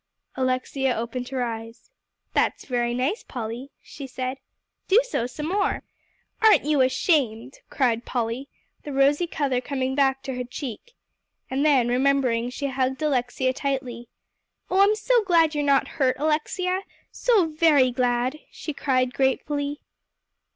Alexia opened her eyes. "That's very nice, Polly," she said, "do so some more." "Aren't you ashamed!" cried Polly, the rosy color coming back to her cheek. And then, remembering, she hugged Alexia tightly. "Oh, I'm so glad you're not hurt, Alexia, so very glad!" she cried gratefully.